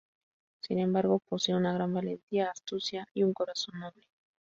Sin embargo, posee una gran valentía, astucia y un corazón noble.